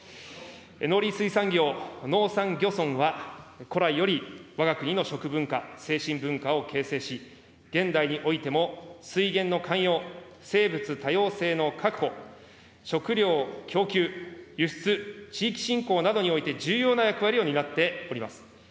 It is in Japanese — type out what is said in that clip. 農林水産業・農山漁村は、古来よりわが国の食文化、精神文化を形成し、現代においても、水源のかんよう、生物多様性の確保、食料供給、輸出、地方振興などにおいて重要な役割を担っております。